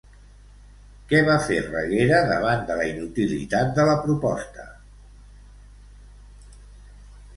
Què va fer Reguera davant de la inutilitat de la proposta?